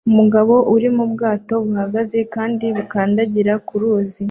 Umugabo uri mu bwato buhagaze kandi bukandagira ku ruzi